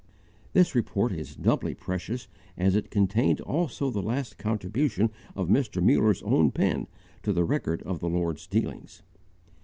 This report is doubly precious as it contains also the last contribution of Mr. Muller's own pen to the record of the Lord's dealings.